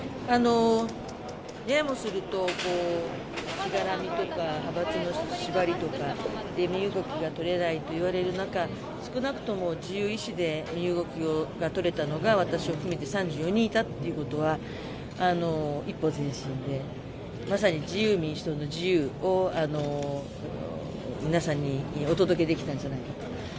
ややもするとしがらみとか派閥の縛りとかで身動きがとれないと言われる中、少なくとも自由意志で身動きがとれたのが私を含めて３４人いたということは一歩前進でまさに自由民主党の自由を皆さんにお届けできたんじゃないか。